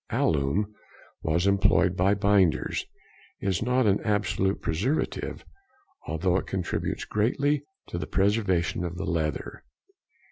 Alum, as employed by binders, is not an absolute preservative, although it contributes greatly to the preservation of the leather.